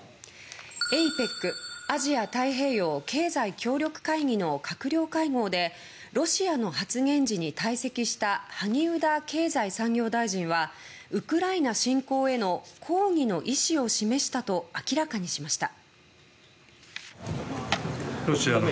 ＡＰＥＣ・アジア太平洋経済協力会議の閣僚会合でロシアの発言時に退席した萩生田経済産業大臣はウクライナ侵攻への抗議の意思を示したと明らかにしました。